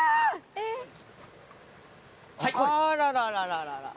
あらららららら。